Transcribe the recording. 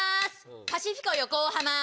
パシフィコ横浜。